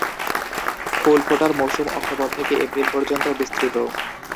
ফুল ফোটার মৌসুম অক্টোবর থেকে এপ্রিল পর্যন্ত বিস্তৃত।